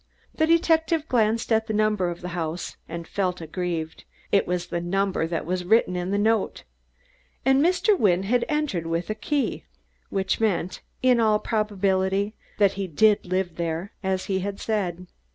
The detective glanced at the number of the house, and felt aggrieved it was the number that was written in the note! And Mr. Wynne had entered with a key! Which meant, in all probability, that he did live there, as he had said!